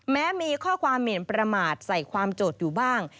แม้มีข้อความเหม็นประมาทใส่ความโจทย์อยู่บ้าง